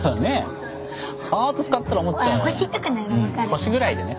星ぐらいでね